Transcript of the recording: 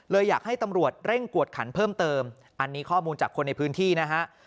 อยากให้ตำรวจเร่งกวดขันเพิ่มเติมอันนี้ข้อมูลจากคนในพื้นที่นะฮะ